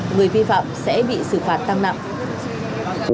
người vi phạm sẽ bị xử phạt tăng nặng